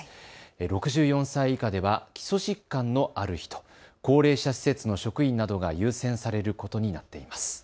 ６４歳以下では基礎疾患のある人、高齢者施設の職員などが優先されることになっています。